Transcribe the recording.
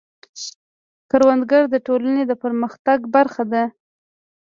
کروندګر د ټولنې د پرمختګ برخه دی